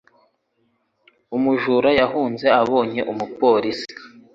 Umujura yahunze abonye umupolisi